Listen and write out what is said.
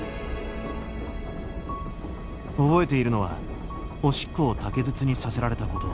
覚えているのはオシッコを竹筒にさせられたこと。